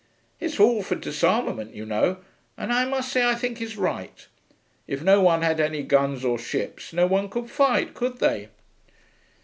He's all for disarmament, you know, and I must say I think he's right. If no one had any guns or ships, no one could fight, could they?'